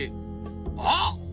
あっ！